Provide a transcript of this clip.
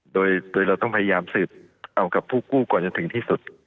โดยเราต้องพยายามสืบเอากับผู้กู้ก่อนจะถึงที่สุด